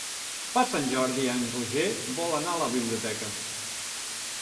Per Sant Jordi en Roger vol anar a la biblioteca.